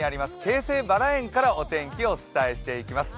京成バラ園からお天気をお伝えしてまいります。